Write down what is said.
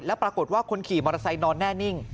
แล้วปรากฏว่าคนขี่มอเตอร์ไซค์นอนแน่นิ่ง